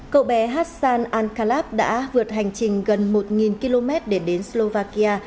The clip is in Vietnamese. cậu bé hassan al khalaf đã vượt hành trình gần một km để đến slovakia